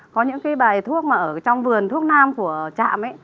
có những cái bài thuốc mà ở trong vườn thuốc nam của trạm